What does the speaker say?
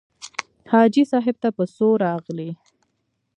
حاجي صاحب ته په څو راغلې.